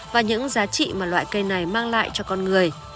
và những giá trị mà loại cây này mang lại cho con người